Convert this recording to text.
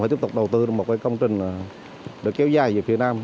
phải tiếp tục đầu tư một cái công trình được kéo dài về phía nam